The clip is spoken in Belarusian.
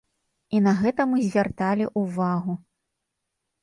І на гэта мы звярталі ўвагу.